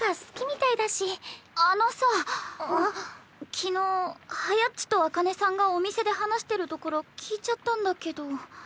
昨日はやっちと紅葉さんがお店で話してるところ聞いちゃったんだけど。